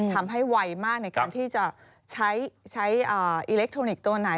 ทำให้ไวมากในการที่จะใช้อิเล็กโทนิคตัวไหน